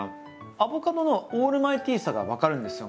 アボカドのオールマイティーさが分かるんですよ。